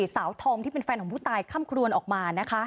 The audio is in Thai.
สาวธอมที่เป็นแฟนของผู้ตายค่ำครวนออกมานะคะ